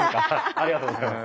ありがとうございます。